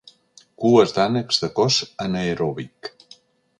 Cues d'ànecs de cos anaeròbic.